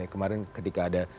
kemarin ketika ada